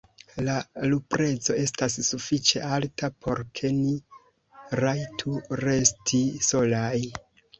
La luprezo estas sufiĉe alta, por ke ni rajtu resti solaj.